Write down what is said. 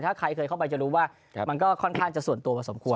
ถ้าใครเคยเข้าไปจะรู้ว่ามันก็ค่อนข้างจะส่วนตัวพอสมควร